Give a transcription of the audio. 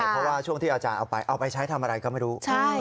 เพราะว่าช่วงที่อาจารย์เอาไปเอาไปใช้ทำอะไรก็ไม่รู้